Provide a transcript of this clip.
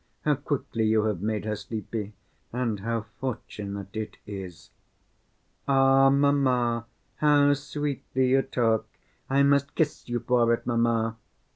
How quickly you have made her sleepy, and how fortunate it is!" "Ah, mamma, how sweetly you talk! I must kiss you for it, mamma."